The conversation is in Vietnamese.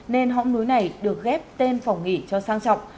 nên hống núi này được ghép tên phòng nghỉ cho sang trọng